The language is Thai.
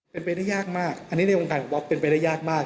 เป็นไปได้ยากมากอันนี้ในวงการของบ๊อบเป็นไปได้ยากมาก